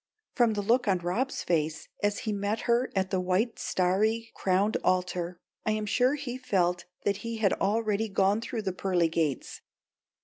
From the look on Rob's face as he met her at the white starry crowned altar, I am sure he felt that he had already gone through "the pearly gates."